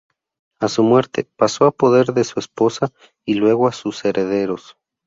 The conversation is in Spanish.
A su muerte, pasó a poder de su esposa y luego a sus herederos.